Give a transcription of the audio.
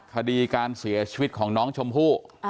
คดีการเสียชีวิตของน้องชมพู่